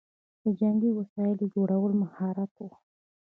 د جنګي وسایلو جوړول مهارت و